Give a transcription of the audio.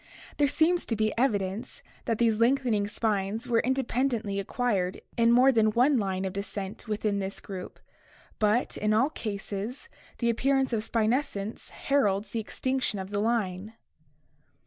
There seems to be evidence that these lengthening spines were independently ac quired in more than one line of descent within this group, but in all cases the appearance of spinescence heralds the extinction of the line.